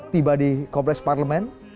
tiba di kompleks parlemen